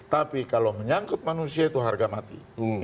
tapi kalau menyangkut manusia itu harga mati